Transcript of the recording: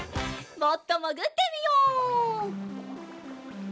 もっともぐってみよう。